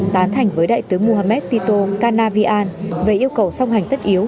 tán thành với đại tướng mohammed tito kanavian về yêu cầu song hành tất yếu